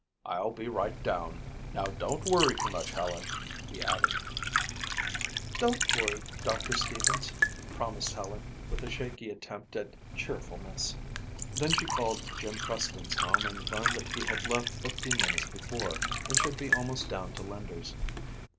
"I'll be right down. Now don't worry too much, Helen," he added. "I won't, Doctor Stevens," promised Helen with a shaky attempt at cheerfulness. Then she called Jim Preston's home and learned that he had left fifteen minutes before and should be almost down to Linder's.